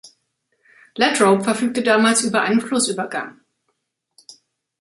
Latrobe verfügte damals über einen Flussübergang.